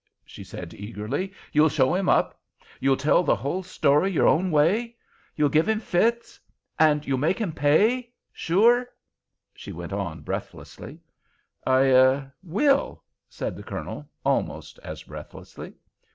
she said eagerly; "you'll show him up? You'll tell the whole story your own way? You'll give him fits?—and you'll make him pay? Sure?" she went on, breathlessly. "I—er—will," said the Colonel, almost as breathlessly.